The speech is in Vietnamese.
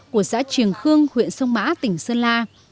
của xã triềng khương huyện sông mã tỉnh sơn la